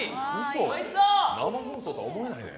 嘘、生放送とは思えないね。